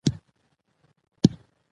که انټرنیټ وي نو اړیکه نه ځنډیږي.